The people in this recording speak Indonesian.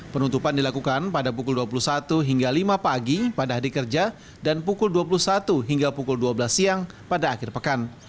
penutupan dilakukan pada pukul dua puluh satu hingga lima pagi pada hari kerja dan pukul dua puluh satu hingga pukul dua belas siang pada akhir pekan